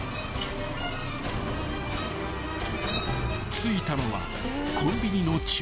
［着いたのは］